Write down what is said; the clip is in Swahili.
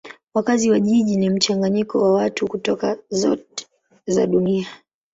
Wakazi wa jiji ni mchanganyiko wa watu kutoka zote za dunia.